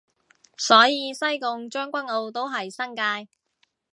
所以西貢將軍澳都係新界